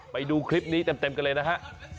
ไปดูคลิปนี้เต็มกันเลยนะฮะ